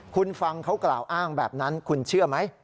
คุณฟังเขากล่าวอ้างแบบนั้นคุณเชื่อไหม